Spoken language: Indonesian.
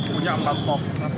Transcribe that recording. punya empat stok